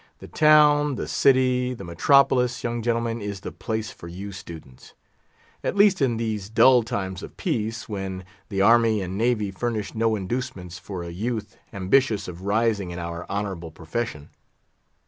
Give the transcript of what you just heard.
The town, the city, the metropolis, young gentlemen, is the place for you students; at least in these dull times of peace, when the army and navy furnish no inducements for a youth ambitious of rising in our honourable profession.